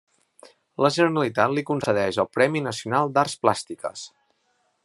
La Generalitat li concedeix el Premi Nacional d'Arts Plàstiques.